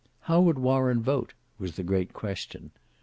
How would Warren vote? was the great question.